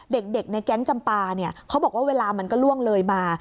เด็กในแก๊งจำปาเนี่ยเขาบอกว่าเวลามันก็ล่วงเลยมา